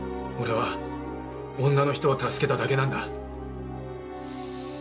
俺は女の人を助けただけなんだ。